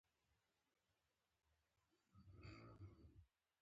بلکې د هر څه کولو يا نه کولو لپاره خپله خوښه لري.